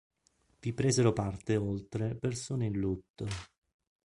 Vi presero parte oltre persone in lutto.